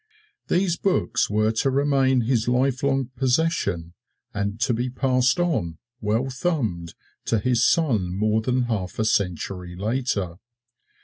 These books were to remain his lifelong possession and to be passed on, well thumbed, to his son more than half a century later.